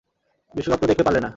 বিশ্বকাপ তো দেখতে পারলে না?